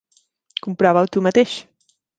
Comprova-ho tu mateix.